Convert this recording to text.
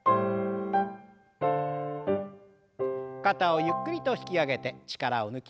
肩をゆっくりと引き上げて力を抜きます。